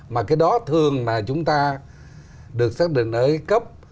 mà cái đó thường mà chúng ta được xác định ở cấp